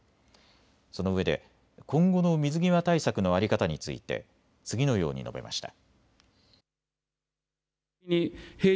そのうえで今後の水際対策の在り方について次のように述べました。